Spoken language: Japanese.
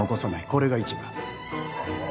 これが一番。